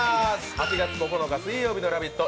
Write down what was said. ８月９日水曜日の「ラヴィット！」